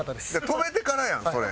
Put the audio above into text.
飛べてからやんそれ。